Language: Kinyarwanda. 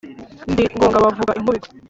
Ndi Ngoga bavuga inkubito